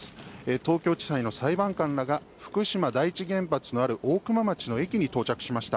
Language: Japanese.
東京地裁の裁判官らが福島第一原発のある大熊町の駅に到着しました